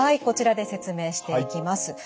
こちらで説明していきます。